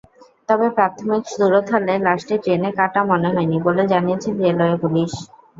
তবে প্রাথমিক সুরতহালে লাশটি ট্রেনে কাটা মনে হয়নি বলে জানিয়েছে রেলওয়ে পুলিশ।